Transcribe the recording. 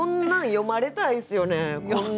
詠まれたいですよ。